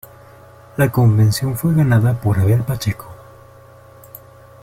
La convención fue ganada por Abel Pacheco.